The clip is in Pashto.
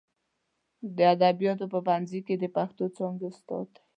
د ادبیاتو په پوهنځي کې د پښتو څانګې استاد دی.